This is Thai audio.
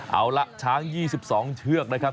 เอาละช้าง๒๒เชือกนะครับ